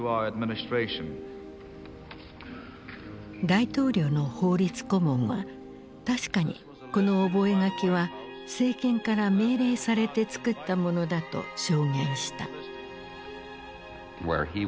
大統領の法律顧問は確かにこの覚書は政権から命令されて作ったものだと証言した。